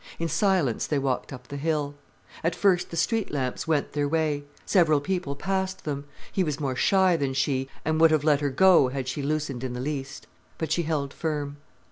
In silence they walked up the hill. At first the street lamps went their way. Several people passed them. He was more shy than she, and would have let her go had she loosened in the least. But she held firm.